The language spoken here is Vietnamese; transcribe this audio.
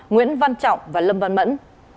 nguyễn văn trọng và lâm văn mẫn